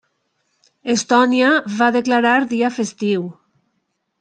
Estònia va declarar dia festiu.